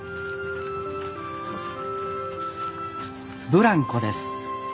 ブランコです。